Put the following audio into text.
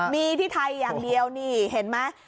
มีที่ไทยอย่างเดียวนี่เห็นไหม